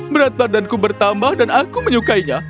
berat badanku bertambah dan aku menyukainya